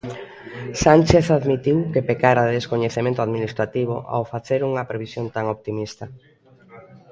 Sánchez admitiu que pecara de descoñecemento administrativo ao facer unha previsión tan optimista.